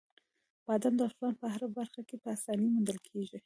بادام د افغانستان په هره برخه کې په اسانۍ موندل کېږي.